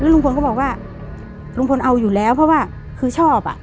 ลุงพลก็บอกว่าลุงพลเอาอยู่แล้วเพราะว่าคือชอบอ่ะ